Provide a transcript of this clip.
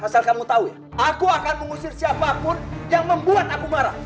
asal kamu tau ya aku akan mengusir siapa pun yang membuat aku marah